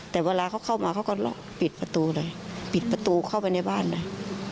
แต่เวลาเขาเข้ามาเขาก็ล็อกปิดประตูเลยปิดประตูเข้าไปในบ้านเลย